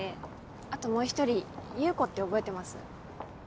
あともう１人優子って覚えてます？